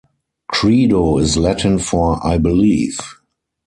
Credo is Latin for I believe.